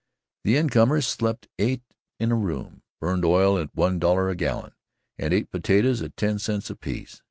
The incomers slept eight in a room, burned oil at one dollar a gallon, and ate potatoes at ten cents apiece.